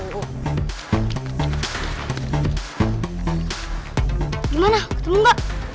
gimana ketemu gak